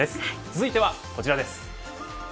続いてはこちらです。